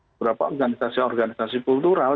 beberapa organisasi organisasi kultural